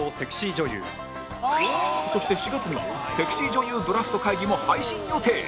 そして４月にはセクシー女優ドラフト会議も配信予定